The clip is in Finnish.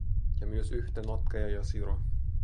Ja myös yhtä notkea ja siro.